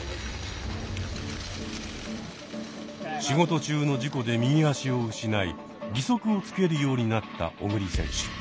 仕事中の事故で右足を失い義足をつけるようになった小栗選手。